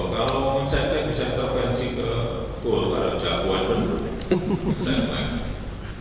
kalau mencetak bisa intervensi ke golkar ada cabuan bener